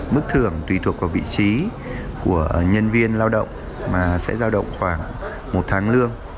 mức thưởng tùy thuộc vào vị trí của nhân viên lao động mà sẽ giao động khoảng một tháng lương